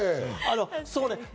そうね。